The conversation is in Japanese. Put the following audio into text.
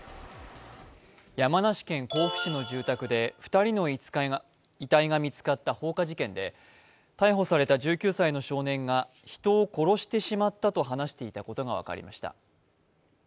山梨県甲府市の住宅で２人の遺体が見つかった放火事件で、逮捕された１９歳の少年が人を殺してしまったと話していたことが分かりました。